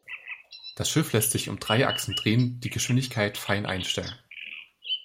Das Schiff lässt sich um drei Achsen drehen, die Geschwindigkeit fein einstellen.